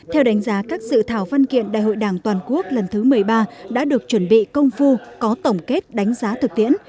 theo đánh giá các sự thảo văn kiện đại hội đảng toàn quốc lần thứ một mươi ba đã được chuẩn bị công phu có tổng kết đánh giá thực tiễn